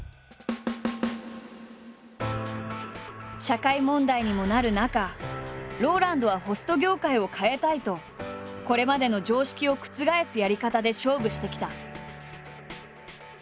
社会問題にもなる中ＲＯＬＡＮＤはホスト業界を変えたいとこれまでの常識を覆すやり方で勝負してきた。